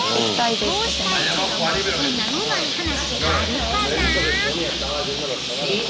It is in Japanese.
そうしたいけどもそんなうまい話あるかな？